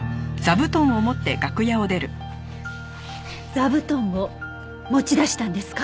座布団を持ち出したんですか？